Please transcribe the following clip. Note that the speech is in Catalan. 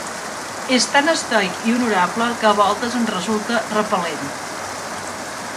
És tan estoic i honorable que a voltes ens resulta repel.lent.